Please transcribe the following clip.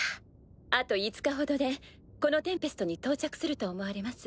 あと５日ほどでこのテンペストに到着すると思われます。